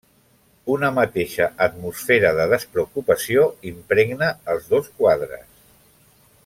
Una mateixa atmosfera de despreocupació impregna els dos quadres.